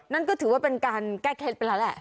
นั่นก็ถือว่าเป็นการแก้เคล็ดไปแล้วแหละ